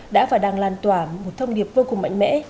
đã và đang lan tỏa một thông điệp vô cùng mạnh mẽ